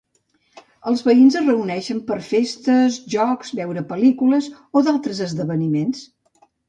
Els veïns es reuneixen per festes, jocs, veure pel·lícules o d'altres esdeveniments.